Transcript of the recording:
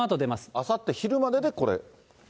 あさって昼まででこれ。